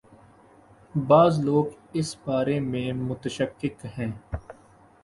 بعض لوگ اس بارے میں متشکک ہیں۔